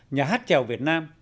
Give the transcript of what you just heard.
nhà hát trèo việt nam